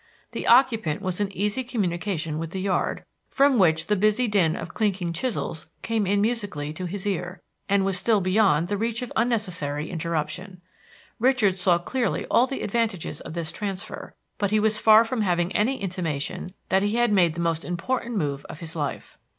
The occupant was in easy communication with the yard, from which the busy din of clinking chisels came musically to his ear, and was still beyond the reach of unnecessary interruption. Richard saw clearly all the advantages of this transfer, but he was far form having any intimation that he had made the most important move of his life.